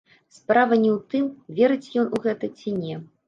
Справа не ў тым, верыць ён у гэта ці не.